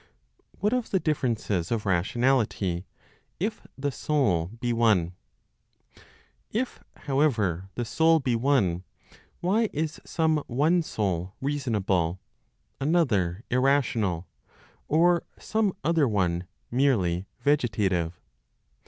WHAT OF THE DIFFERENCES OF RATIONALITY, IF THE SOUL BE ONE? If, however, the Soul be one, why is some one soul reasonable, another irrational, or some other one merely vegetative?